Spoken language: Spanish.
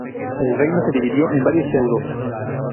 El reino se dividió en un varios feudos.